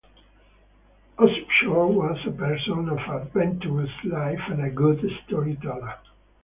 Osip Shor was a person of adventurous life and a good story-teller.